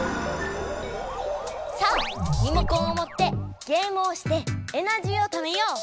さあリモコンをもってゲームをしてエナジーをためよう！